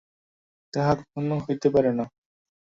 তাহা কখনও হইতে পারে না।